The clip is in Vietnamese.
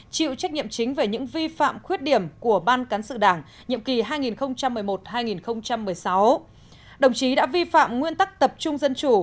chịu trách nhiệm chính về những vi phạm khuyết điểm của ban cán sự đảng nhiệm kỳ hai nghìn một mươi một hai nghìn một mươi sáu đồng chí đã vi phạm nguyên tắc tập trung dân chủ